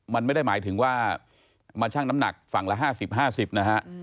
มันไม่ได้หมายถึงว่ามาชั่งน้ำหนักฝั่งละ๕๐๕๐นะฮะ